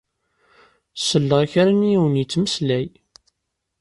Selleɣ i kra n yiwen yettmeslay.